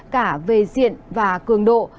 cả về diện và cường trọng